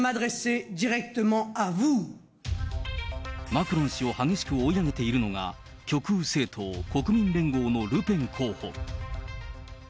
マクロン氏を激しく追い上げているのが、極右政党・国民連合のルペン候補。